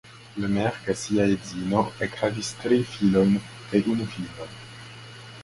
Lemaire kaj sia edzino ekhavis tri filojn kaj unu filinon.